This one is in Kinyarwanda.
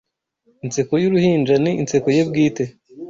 Inseko y'uruhinja ni inseko ye bwite